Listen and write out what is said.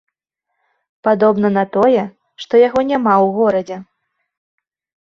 Падобна на тое, што яго няма ў горадзе.